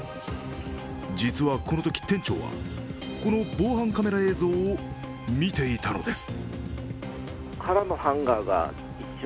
実はこのとき、店長はこの防犯カメラ映像を見ていたのです。